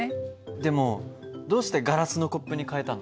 でもどうしてガラスのコップに替えたの？